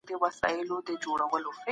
کلینیک جوړول اسانه کار نه دی.